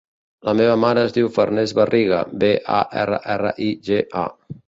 La meva mare es diu Farners Barriga: be, a, erra, erra, i, ge, a.